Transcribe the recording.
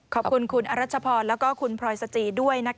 ขอบคุณคุณอรัชพรแล้วก็คุณพลอยสจีด้วยนะคะ